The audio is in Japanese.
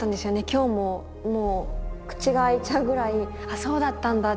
今日ももう口が開いちゃうぐらい「あそうだったんだ」っていう。